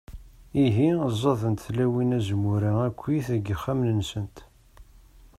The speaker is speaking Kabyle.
Ihi, ẓẓadent tlawin azemmur-a akkit deg yixxamen-nsent.